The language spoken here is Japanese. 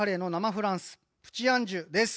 フランス、プチ・アンジュです。